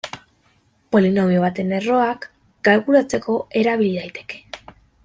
Polinomio baten erroak kalkulatzeko erabil daiteke.